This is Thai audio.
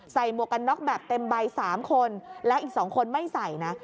หมวกกันน็อกแบบเต็มใบ๓คนแล้วอีก๒คนไม่ใส่นะ